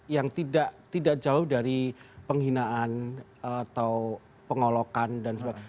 yang tidak jauh dari penghinaan atau pengolokan dan sebagainya